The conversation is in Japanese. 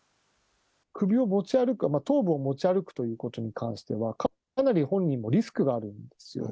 首を持ち歩く、頭部を持ち歩くということに関しては、かなり本人もリスクがあるんですよ。